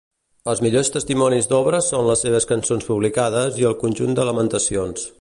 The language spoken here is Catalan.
Els millors testimonis d'obres són les seves cançons publicades i el conjunt de lamentacions.